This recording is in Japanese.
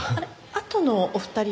あとのお二人は？